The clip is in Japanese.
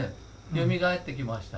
よみがえってきました？